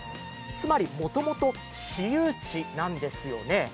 つまりもともと私有地なんですよね。